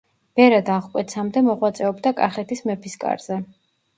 ბერად აღკვეცამდე მოღვაწეობდა კახეთის მეფის კარზე.